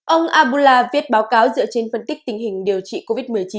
ông abula viết báo cáo dựa trên phân tích tình hình điều trị covid một mươi chín